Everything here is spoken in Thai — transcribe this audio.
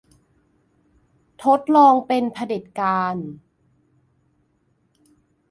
ทดลองเป็นเผด็จการ